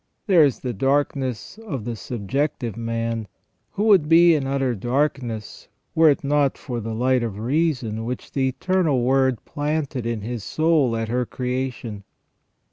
There is the darkness of the subjective man, who would be in utter darkness were it not for the light of reason which the Eternal Word planted in his soul at her creation.